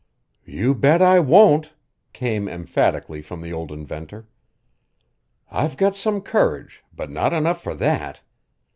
"You bet I won't," came emphatically from the old inventor. "I've got some courage but not enough for that.